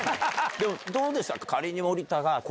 でもどうでした？